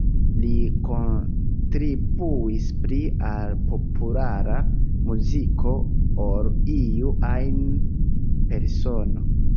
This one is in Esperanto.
Li kontribuis pli al populara muziko ol iu ajn persono.